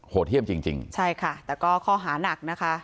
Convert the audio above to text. เที่ยมจริงจริงใช่ค่ะแต่ก็ข้อหานักนะคะ